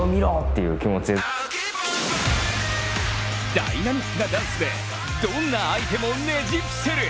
ダイナミックなダンスでどんな相手もねじ伏せる！